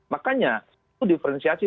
makanya itu diferensiasi